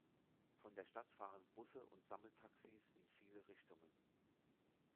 Von der Stadt fahren Busse und Sammeltaxis in viele Richtungen.